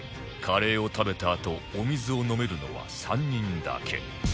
カレーを食べたあとお水を飲めるのは３人だけ